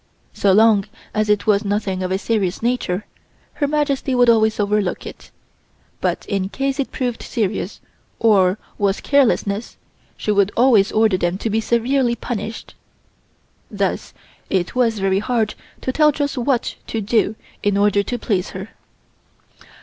So long as it was nothing of a serious nature Her Majesty would always overlook it, but in case it proved serious or was carelessness, she would always order them to be severely punished. Thus it was very hard to tell just what to do in order to please her.